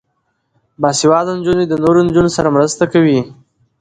باسواده نجونې د نورو نجونو سره مرسته کوي.